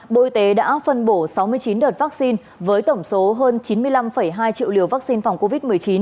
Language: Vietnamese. bộ y tế đã phân bổ sáu mươi chín đợt vaccine với tổng số hơn chín mươi năm hai triệu liều vaccine phòng covid một mươi chín